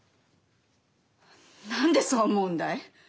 何でそう思うんだい？